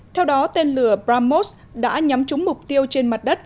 theo đó tên lửa pramos đã nhắm trúng mục tiêu trên mặt đất